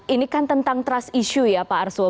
ini kan tentang trust issue ya pak arsul